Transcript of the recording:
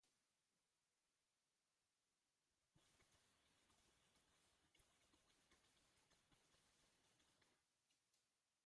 Bozketaren minutuz minutukoa, eguneko gertakariak eta partaidetzaren datuak jarraitu ahalko ditugu bertan.